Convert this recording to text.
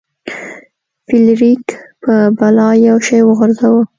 فلیریک په بلا یو شی وغورځاوه.